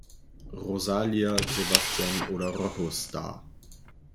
Rosalia, Sebastian oder Rochus dar.